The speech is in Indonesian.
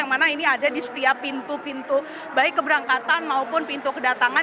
yang mana ini ada di setiap pintu pintu baik keberangkatan maupun pintu kedatangan